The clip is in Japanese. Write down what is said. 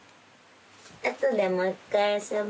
あとでもう一回あそぼ。